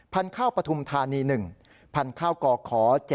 พันธุ์ข้าวปฐุมธานี๑พันธุ์ข้าวก่อขอ๗๙